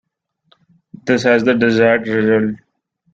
This has the desired result.